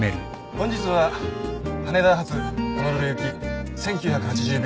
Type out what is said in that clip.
本日は羽田発ホノルル行き１９８０便。